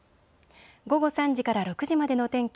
午後３時から６時までの天気。